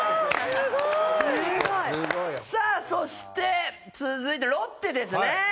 すごいよ。さあそして続いてロッテですね。